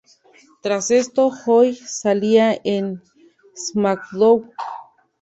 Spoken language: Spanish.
Tras esto, Joy salía en SmackDown!